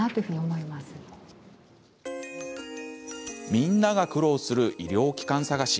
みんなが苦労する医療機関探し。